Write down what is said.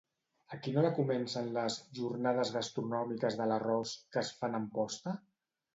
A quina hora comencen les "Jornades Gastronòmiques de l'arròs" que es fan a Amposta?